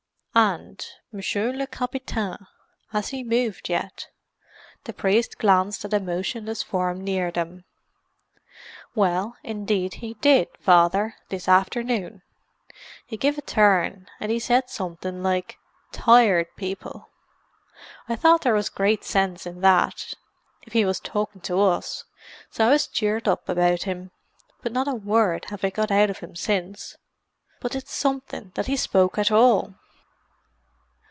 "And Monsieur le Capitaine—has he moved yet?" The priest glanced at a motionless form near them. "Well, indeed he did, Father, this afternoon. He gev a turn, an' he said something like 'Tired People.' I thought there was great sense in that, if he was talkin' to us, so I was cheered up about him—but not a word have I got out of him since. But it's something that he spoke at all."